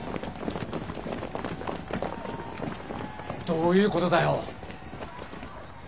どういうことだよ。